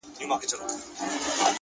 د حقیقت درک زړورتیا غواړي’